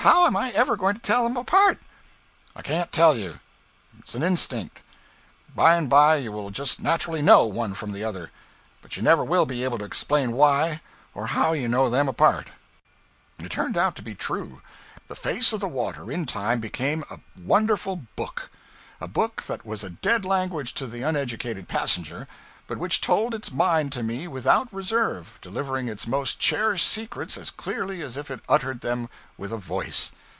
How am I ever going to tell them apart?' 'I can't tell you. It is an instinct. By and by you will just naturally _know _one from the other, but you never will be able to explain why or how you know them apart' It turned out to be true. The face of the water, in time, became a wonderful book a book that was a dead language to the uneducated passenger, but which told its mind to me without reserve, delivering its most cherished secrets as clearly as if it uttered them with a voice.